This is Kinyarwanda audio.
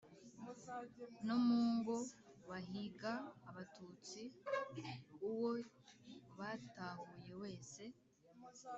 no mu ngo bahiga abatutsi, uwo batahuye wese